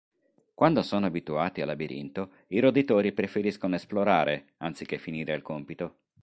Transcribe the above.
Quando sono abituati al labirinto, i roditori preferiscono esplorare anziché finire il compito.